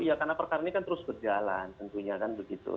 iya karena perkara ini kan terus berjalan tentunya kan begitu